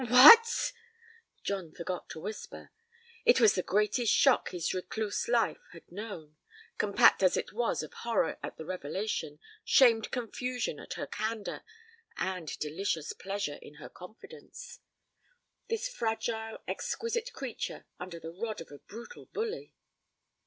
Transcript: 'What!' John forgot to whisper. It was the greatest shock his recluse life had known, compact as it was of horror at the revelation, shamed confusion at her candour, and delicious pleasure in her confidence. This fragile, exquisite creature under the rod of a brutal bully!